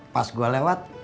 pas gua lewat